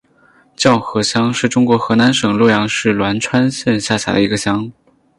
叫河乡是中国河南省洛阳市栾川县下辖的一个乡。